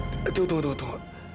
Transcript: tunggu tunggu tunggu